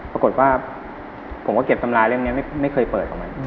ปรากฏว่าผมก็เก็บตำราเล่มนี้ไม่เคยเปิดของมัน